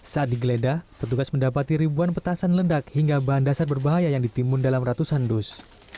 saat digeledah petugas mendapati ribuan petasan ledak hingga bahan dasar berbahaya yang ditimun dalam ratusan dus